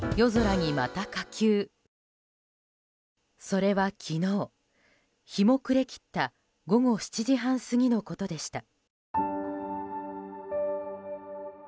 それは昨日、日も暮れ切った午後７時半過ぎのことでした。